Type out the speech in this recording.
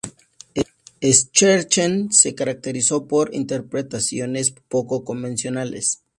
Scherchen se caracterizó por interpretaciones poco convencionales.